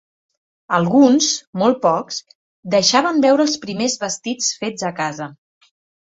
Alguns, molt pocs, deixaven veure els primers vestits fets a casa.